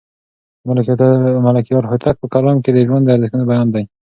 د ملکیار هوتک په کلام کې د ژوند د ارزښتونو بیان دی.